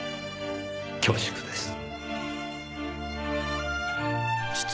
恐縮です。